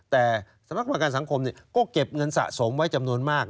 แต่สำนักประกันสังคมก็เก็บเงินสะสมไว้จำนวนมาก